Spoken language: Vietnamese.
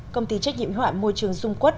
công ty trách nhiệm hoạn môi trường dung quất